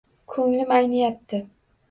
Koʻnglim ayniyapti…